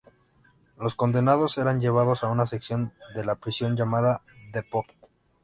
Los condenados eran llevados a una sección de la prisión llamada "The Pot".